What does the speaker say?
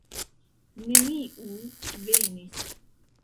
Neniu venis.